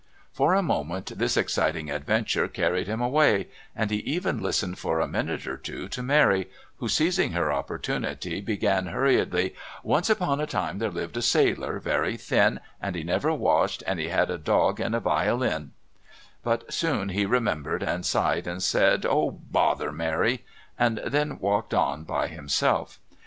For a moment this exciting adventure carried him away, and he even listened for a minute or two to Mary, who, seizing her opportunity, began hurriedly: "Once upon a time there lived a sailor, very thin, and he never washed, and he had a dog and a violin " But soon he remembered, and sighed and said: "Oh, bother, Mary!" and then walked on by himself.